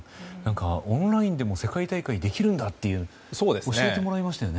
オンラインでも世界大会ができるんだと教えてもらいましたよね。